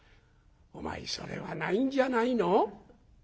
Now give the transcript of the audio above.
「お前それはないんじゃないの？